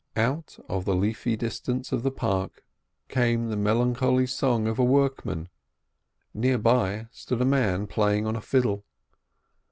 Out of the leafy distance of the park came the melan choly song of a workman ; near by stood a man playing on a fiddle.